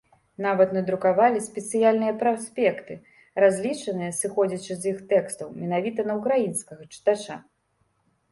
Нават надрукавалі спецыяльныя праспекты, разлічаныя, сыходзячы з іх тэкстаў, менавіта на ўкраінскага чытача.